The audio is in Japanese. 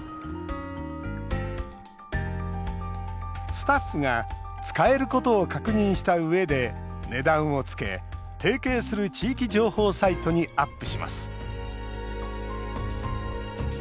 スタッフが使えることを確認したうえで値段をつけ提携する地域情報サイトにアップします。